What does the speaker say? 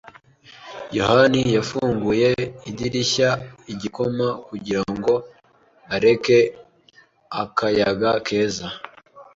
yohani yafunguye idirishya igikoma kugirango areke akayaga keza.